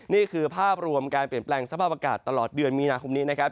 นี่คือภาพรวมการเปลี่ยนแปลงสภาพอากาศตลอดเดือนมีนาคมนี้นะครับ